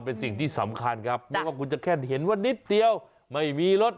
เป็นสิ่งที่สำคัญครับไม่ว่าคุณจะแค่เห็นว่านิดเดียวไม่มีรถ